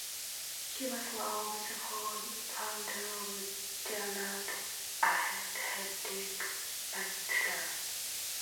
He was one of the founders of Jamaat Ahle hadith Pakistan.